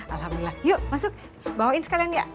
alhamdulillah yuk masuk bawain sekalian ya